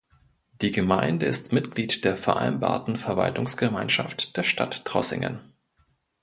Die Gemeinde ist Mitglied der Vereinbarten Verwaltungsgemeinschaft der Stadt Trossingen.